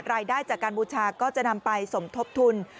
รายได้จากการบูชาก็จะนำไปสมทบทุน